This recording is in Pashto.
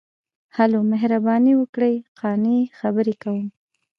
ـ هلو، مهرباني وکړئ، قانع خبرې کوم.